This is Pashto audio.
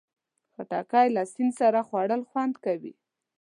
خټکی له سیند سره خوړل خوند کوي.